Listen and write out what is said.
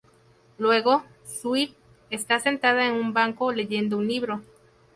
Luego, Swift está sentada en un banco leyendo un libro.